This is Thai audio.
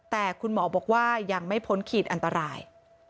แต่คุณหมอบอกว่ายังไม่พ้นขีดอันตราย